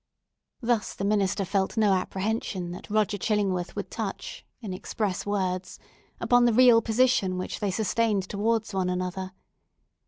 Thus the minister felt no apprehension that Roger Chillingworth would touch, in express words, upon the real position which they sustained towards one another.